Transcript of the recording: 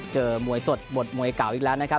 มวยสดหมดมวยเก่าอีกแล้วนะครับ